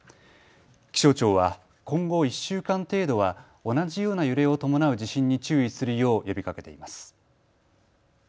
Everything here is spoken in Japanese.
気象庁は今後１週間程度は同じような揺れを伴う地震に注意するよう呼びかけています。